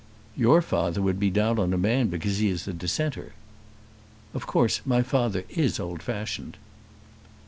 "Your father would be down on a man because he is a dissenter." "Of course my father is old fashioned."